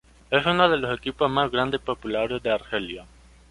Es uno de los equipos más grandes y populares de Argelia.